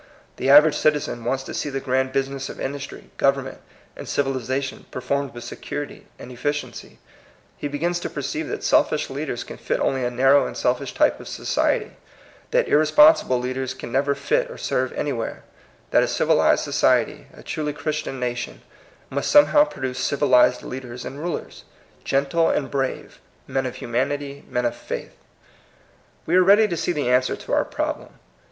The average citizen wants to see the grand busi ness of industr}', government, and civiliza tion performed with security and efficiency. He begins to perceive that selfish leaders can fit only a narrow and selfish type of society ; that irresponsible leaders can never serve anywhere ; that a civilized so a truly Christian nation, must some produce civilized leaders and rulets, e and brave, men of humanity, men of PROBLEM OF THE PR08PEBOU8. 121 We are ready to see the answer to our problem.